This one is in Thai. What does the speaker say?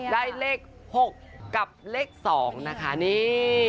ได้เลข๖กับเลข๒นะคะนี่